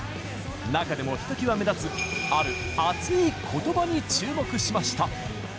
中でも、ひときわ目立つある熱いことばに注目しました。